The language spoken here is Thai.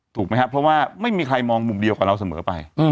ถูกไหมครับเพราะว่าไม่มีใครมองมุมเดียวกับเราเสมอไป